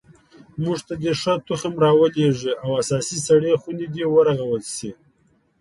موږ ته دې ښه تخم را ولیږي او اساسي سړې خونې دې ورغول شي